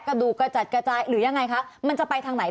กระดูกระจัดกระจายหรือยังไงคะมันจะไปทางไหน